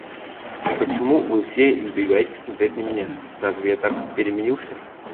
И почему вы все избегаете смотреть на меня, разве я так переменился?